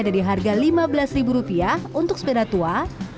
dari harga rp lima belas untuk sepeda tua